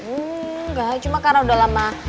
enggak cuma karena udah lama